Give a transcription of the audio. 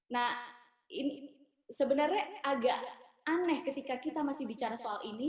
nah sebenarnya agak aneh ketika kita masih bicara soal ini